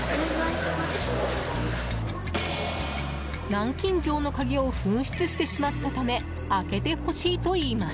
南京錠の鍵を紛失してしまったため開けてほしいといいます。